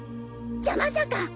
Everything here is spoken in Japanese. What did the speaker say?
じゃまさか！